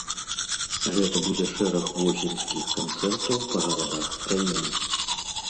Гэта будзе шэраг восеньскіх канцэртаў па гарадах краіны.